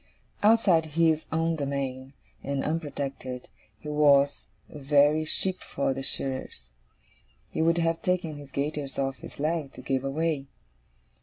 Outside his own domain, and unprotected, he was a very sheep for the shearers. He would have taken his gaiters off his legs, to give away.